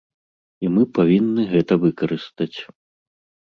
І мы павінны гэта выкарыстаць.